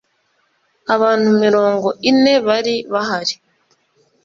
Abantu mirongo ine bari bahari